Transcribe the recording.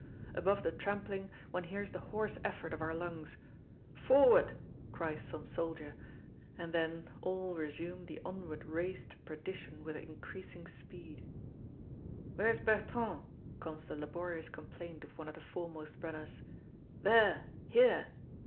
Above the trampling one hears the hoarse effort of our lungs. "Forward!" cries some soldier, and then all resume the onward race to perdition with increasing speed. "Where's Bertrand?" comes the laborious complaint of one of the foremost runners. "There! Here!"